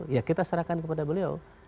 ya kita serahkan kepada beliau